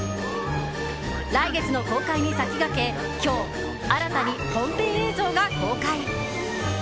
来月の公開に先駆け今日、新たに本編映像が公開。